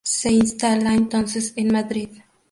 Se instala entonces en Madrid.